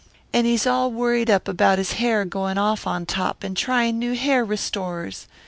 And he's all worried up about his hair going off on top, and trying new hair restorers.